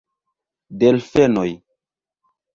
Delfenoj!